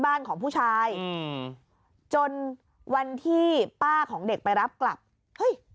บ้านของผู้ชายอืมจนวันที่ป้าของเด็กไปรับกลับเฮ้ย